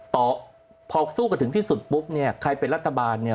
ต่อพอสู้กันถึงที่สุดปุ๊บเนี่ยใครเป็นรัฐบาลเนี่ย